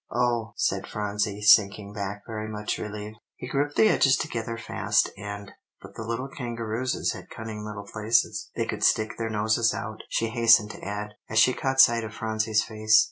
"Oh!" said Phronsie, sinking back very much relieved. "He gripped the edges together fast, and but the little kangarooses had cunning little places they could stick their noses out," she hastened to add, as she caught sight of Phronsie's face.